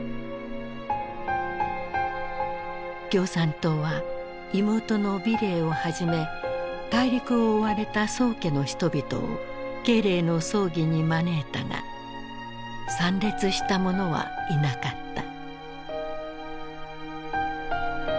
共産党は妹の美齢をはじめ大陸を追われた宋家の人々を慶齢の葬儀に招いたが参列した者はいなかった。